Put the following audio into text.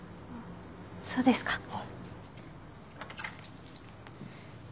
そうですか。